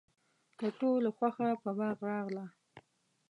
د ټولو خوښه په باغ راغله.